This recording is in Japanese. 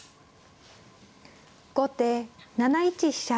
後手７一飛車。